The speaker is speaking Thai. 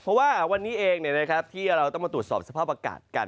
เพราะว่าวันนี้เองที่เราต้องมาตรวจสอบสภาพอากาศกัน